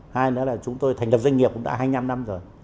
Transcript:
hai nữa là chúng tôi thành lập doanh nghiệp cũng đã hai mươi năm năm rồi